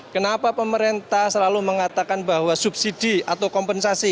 kenapa pemerintah selalu mengatakan bahwa subsidi atau kompensasi